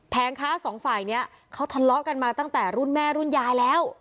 ค้าสองฝ่ายนี้เขาทะเลาะกันมาตั้งแต่รุ่นแม่รุ่นยายแล้ว